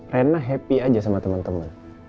rena happy aja sama temen temen